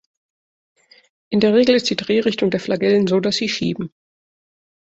In der Regel ist die Drehrichtung der Flagellen so, dass sie schieben.